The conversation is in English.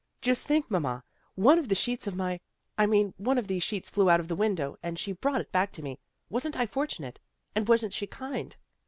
" Just think, mamma! One of the sheets of my I mean one of these sheets flew out of the window, and she brought it back to me. Wasn't I fortunate? And wasn't she kind?